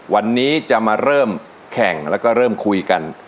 วันนี้จะมาเริ่มแข่งแล้วก็เริ่มคุยกัน